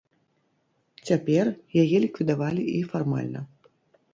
Цяпер яе ліквідавалі і фармальна.